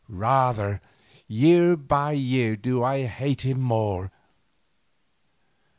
Rather, year by year, do I hate him more.